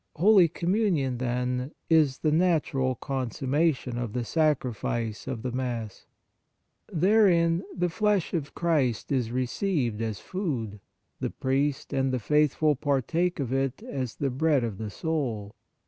Holy Com munion, then, is the natural con summation of the Sacrifice of the Mass. Therein the flesh of Christ is re ceived as food ; the priest and the faithful partake of it as the bread of the soul.